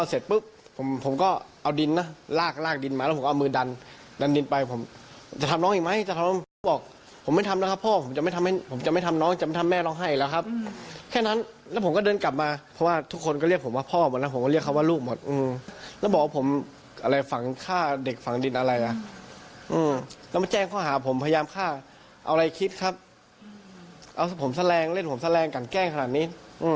เอาแจ้งเข้าหาผมพยายามฆ่าเอาอะไรคิดครับเอาผมแชลงเล่นผมแชลงกันแกล้งขนาดนี้